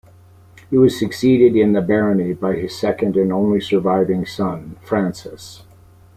He was succeeded in the barony by his second and only surviving son, Francis.